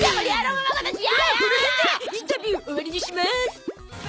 まあこの辺でインタビュー終わりにします。